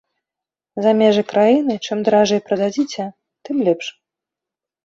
За межы краіны чым даражэй прададзіце, тым лепш.